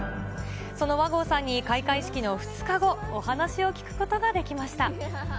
その和合さんに、開会式の２日後、お話を聞くことができました。